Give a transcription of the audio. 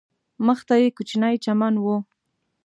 مخ ته یې کوچنی چمن و.